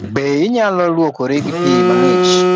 Be inyalo luokori gi pii mang'ich?